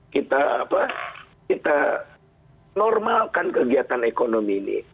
kita normalkan kegiatan ekonomi ini